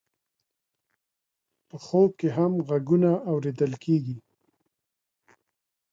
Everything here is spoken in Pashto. په خوب کې هم غږونه اورېدل کېږي.